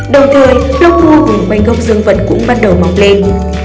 đồng thời lông vú vùng quanh gốc dương vật cũng bắt đầu mọc lên